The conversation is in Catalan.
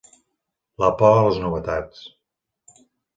La por a les novetats.